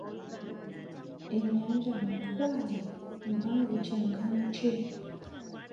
Ennyanja Nalubaale mpanvu kyenkana ki?